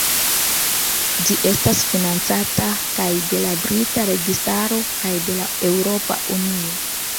Ĝi estas financata kaj de la brita registaro kaj de la Eŭropa Unio.